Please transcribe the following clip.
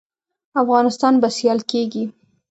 افغانستان به سیال کیږي؟